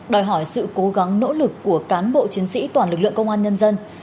đòi hỏi sự cố gắng nỗ lực của cán bộ chiến sĩ toàn lực lượng công an nhân dân